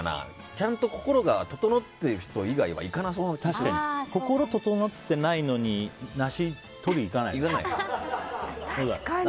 ちゃんと心が整ってる人以外は確かに、心整ってないのに梨、とりにいかない。